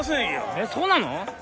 えっそうなの？